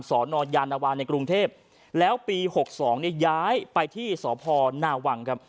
สนยานวาในกรุงเทพฯแล้วปี๖๒ย้ายไปที่สภนาวัง